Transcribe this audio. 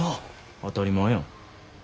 当たり前やん。